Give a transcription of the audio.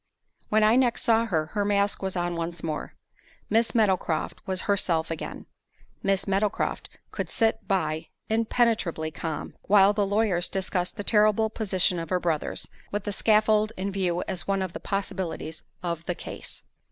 When I next saw her, her mask was on once more. Miss Meadowcroft was herself again. Miss Meadowcroft could sit by, impenetrably calm, while the lawyers discussed the terrible position of her brothers, with the scaffold in view as one of the possibilities of the "case."